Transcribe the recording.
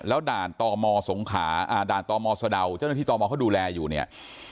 แล้วด่านต่อมอสดาวเจ้าหน้าที่ต่อมอเขาดูแลอยู่เนี่ย